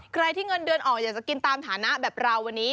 ใครที่เงินเดือนออกอยากจะกินตามฐานะแบบเราวันนี้